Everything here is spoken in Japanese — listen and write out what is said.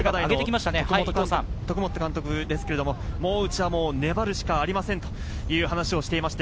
徳本監督はうちは粘るしかありませんと話をしていました。